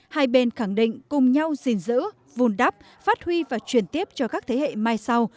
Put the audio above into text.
hai bên khẳng định cùng nhau gìn giữ vùn đắp phát huy và truyền tiếp cho các thế hệ mai sau